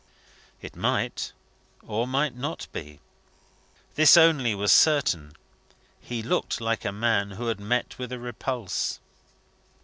It might or might not be. This only was certain he looked like a man who had met with a repulse.